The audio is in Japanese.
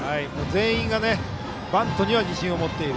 全員がバントには自信を持っている。